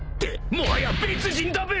もはや別人だべ！］